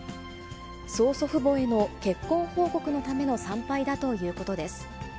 曽祖父母への結婚報告のための参拝だということです。